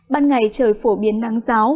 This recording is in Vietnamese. ban ngày trời phổ biến nắng ráo